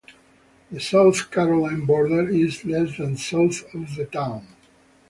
The South Carolina border is less than south of the town.